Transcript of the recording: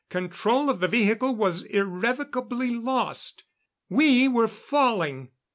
Control of the vehicle was irrevocably lost! We were falling!